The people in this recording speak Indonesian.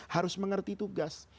harus mengerti tugas